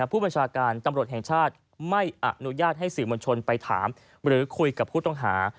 ผู้บัญชาการตำรวจแห่งชาติไม่อนุญาตให้สื่อมวลชนไปถามหรือคุยกับผู้ต้องหา